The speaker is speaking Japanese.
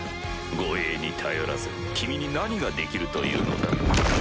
護衛に頼らず君に何ができるというのだ？